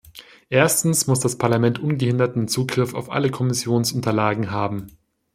Erstens muss das Parlament ungehinderten Zugriff auf alle Kommissionsunterlagen haben.